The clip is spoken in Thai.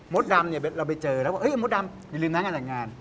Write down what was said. มดดำเราไปเจอแล้วเฮ้ยมดดำอย่าลืมหน้างานแต่งงาน